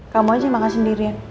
kamu aja makan sendirian